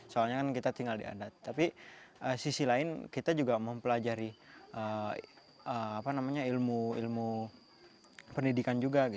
soalnya kan kita tinggal di adat tapi sisi lain kita juga mempelajari ilmu ilmu pendidikan juga